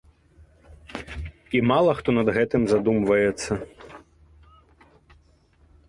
І мала хто над гэтым задумваецца.